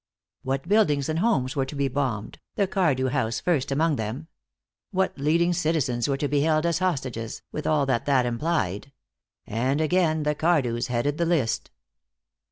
What buildings and homes were to be bombed, the Cardew house first among them; what leading citizens were to be held as hostages, with all that that implied; and again the Cardews headed the list.